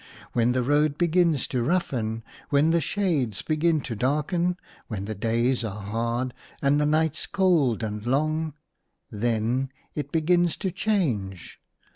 When the roads begin to roughen, when the shades begin to darken, when the days are hard, and the nights cold and long — then it begins to change.